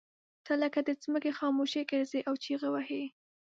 ته لکه د ځمکې خاموشي ګرځې او چغې وهې.